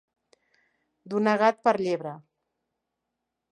Donar gat per llebre.